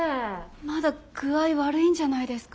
まだ具合悪いんじゃないですか？